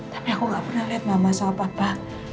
tapi aku gak pernah lihat mama sama papa